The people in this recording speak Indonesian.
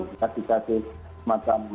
jika dikati semacam